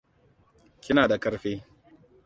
Kina da ƙarfi.